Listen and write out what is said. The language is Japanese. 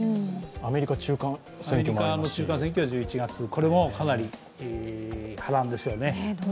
アメリカ中間選挙は１１月これもかなり波乱ですよね。